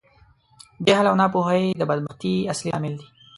جهل او ناپوهۍ د بدبختي اصلی لامل دي.